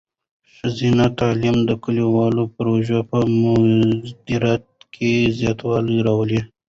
ښځینه تعلیم د کلیوالو پروژو په مؤثریت کې زیاتوالی راولي.